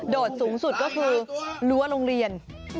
สูงสุดก็คือรั้วโรงเรียน